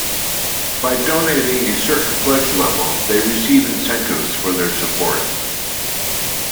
By donating a certain pledge level, they receive incentives for their support.